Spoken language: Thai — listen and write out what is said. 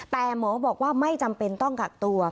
แต่หมอบอกว่าไม่จำเป็นต้องกักตัว